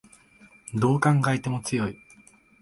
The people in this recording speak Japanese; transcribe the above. どう考えても強い